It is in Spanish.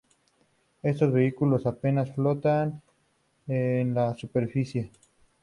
Estos vehículos apenas flotan en la superficie.